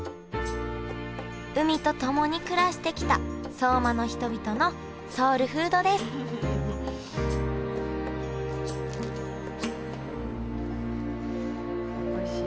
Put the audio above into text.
海と共に暮らしてきた相馬の人々のソウルフードですおいしい。